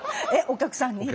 お客さんに。